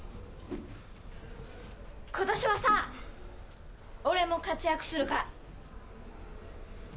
ことしはさ俺も活躍するから。